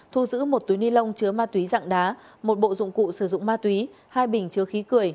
thu giữ một túi ni lông chứa ma túy dạng đá một bộ dụng cụ sử dụng ma túy hai bình chứa khí cười